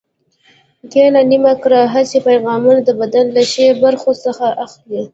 کیڼه نیمه کره حسي پیغامونه د بدن له ښي برخو څخه اخلي.